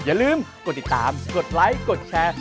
อย่าลืมกดติดตามกดไลค์กดแชร์